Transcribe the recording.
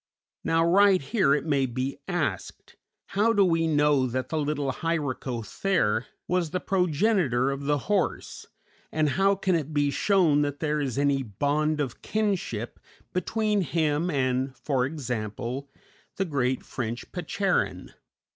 ] Now right here it may be asked, How do we know that the little Hyracothere was the progenitor of the horse, and how can it be shown that there is any bond of kinship between him and, for example, the great French Percheron?